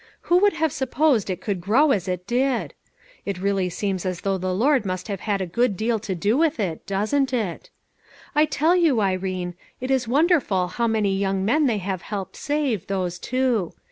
Who would have supposed it could grow as it did ? It really seems as though the Lord must have had a good deal to do with it, doesn't it ? I tell you, Irene, it is wonderful how many young men they have helped save, those two.